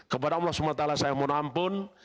kepada allah swt saya mohon ampun